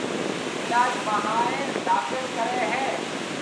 علاج ماھر ڊاڪٽر ڪرَي ھيََََ